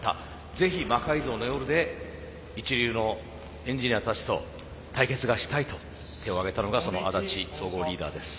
ぜひ「魔改造の夜」で一流のエンジニアたちと対決がしたいと手を挙げたのがその安達総合リーダーです。